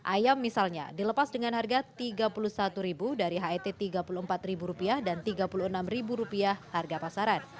ayam misalnya dilepas dengan harga rp tiga puluh satu dari het rp tiga puluh empat dan rp tiga puluh enam harga pasaran